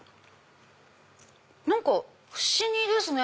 何か不思議ですね。